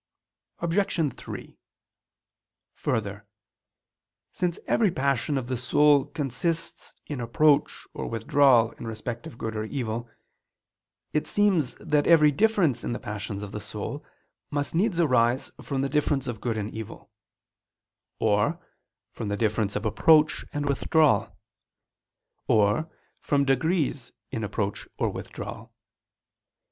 Obj. 3: Further, since every passion of the soul consists in approach or withdrawal in respect of good or evil, it seems that every difference in the passions of the soul must needs arise from the difference of good and evil; or from the difference of approach and withdrawal; or from degrees in approach or withdrawal.